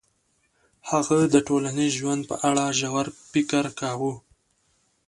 هغه د ټولنیز ژوند په اړه ژور فکر کاوه.